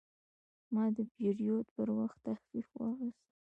ما د پیرود پر وخت تخفیف واخیست.